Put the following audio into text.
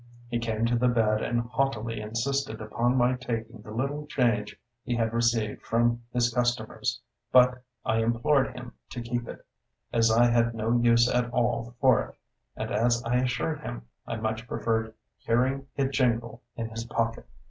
He came to the bed and haughtily insisted upon my taking the little change he had received from his customers, but I implored him to keep it, as I had no use at all for it, and, as I assured him, I much preferred hearing it jingle in his pocket.